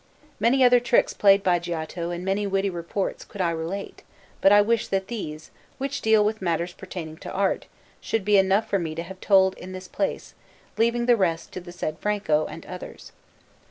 Many other tricks played by Giotto and many witty retorts could I relate, but I wish that these, which deal with matters pertinent to art, should be enough for me to have told in this place, leaving the rest to the said Franco and others.